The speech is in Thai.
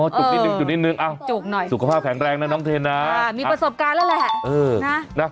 อ๋อจุกนิดนึงสุขภาพแข็งแรงนะน้องเท้นนะมีประสบการณ์แล้วแหละ